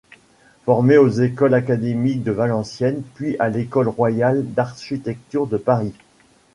Formé aux écoles académiques de Valenciennes puis à l'école royale d'architecture de Paris.